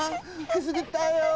くすぐったいよ！